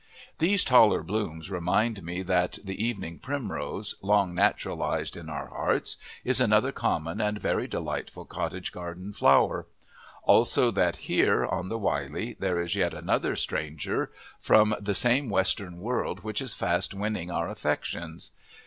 These taller blooms remind me that the evening primrose, long naturalized in our hearts, is another common and very delightful cottage garden flower; also that here, on the Wylye, there is yet another stranger from the same western world which is fast winning our affections.